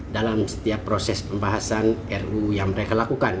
dalam setiap proses pembahasan ru yang mereka lakukan